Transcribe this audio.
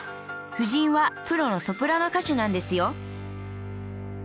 夫人はプロのソプラノ歌手なんですよ